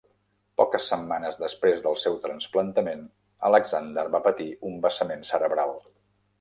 Poques setmanes després del seu trasplantament, Alexander va patir un vessament cerebral.